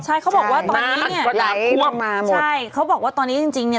ใช่เขาบอกว่าตอนนี้เนี่ยน้ำก็น้ำท่วมใช่เขาบอกว่าตอนนี้จริงเนี่ย